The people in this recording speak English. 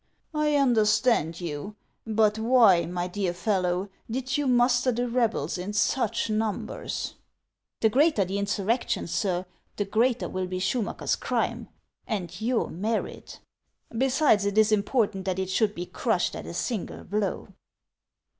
" I understand you ; but why, my dear fellow, did you muster the rebels in such numbers ?"" The greater the insurrection, sir, the greater will be Schumacker's crime and your merit. Besides, it is important that it should be crushed at a single blow."